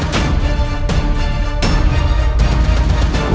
jangan bunuh ayahku